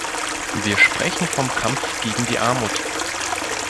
Wir sprechen vom Kampf gegen die Armut.